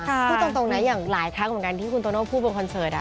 พูดตรงนะอย่างหลายครั้งเหมือนกันที่คุณโตโน่พูดบนคอนเสิร์ต